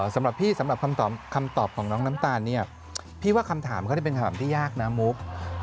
สำหรับคำตอบของน้องน้ำตาลนี่พี่ว่าคำถามก็ได้เป็นคำถามที่ยากนะมุฒ